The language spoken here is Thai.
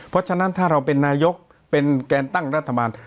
เพราะฉะนั้นถ้าเราเป็นนายกเป็นแกนตั้งรัฐบาล